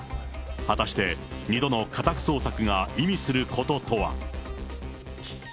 果たして、２度の家宅捜索が意味することとは。